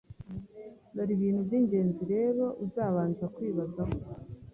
Dore ibintu by’ingenzi rero uzabanza kwibazaho